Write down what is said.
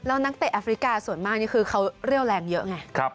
แล้วนักเตะแอฟริกาส่วนมากนี่คือเขาเรี่ยวแรงเยอะไง